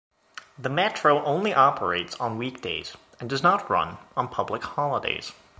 The metro only operates on weekdays, and does not run on public holidays.